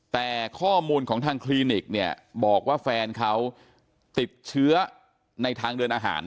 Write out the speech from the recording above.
แต่ข้อมูลของทางคลินิกเนี่ยบอกว่าแฟนเขาติดเชื้อในทางเดินอาหาร